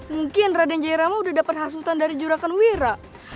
mungkin raden jaya ramah udah dapat hasutan dari juragamira